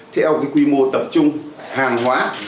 theo quy mô tập trung hàng hóa